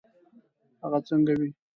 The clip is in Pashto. هغه څنګه وي.